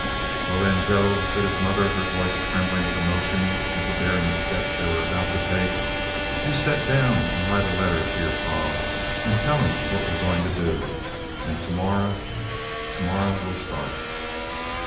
"Well, den, Joe," said his mother, her voice trembling with emotion at the daring step they were about to take, "you set down an' write a lettah to yo' pa, an' tell him what we goin' to do, an' to morrer to morrer we 'll sta't."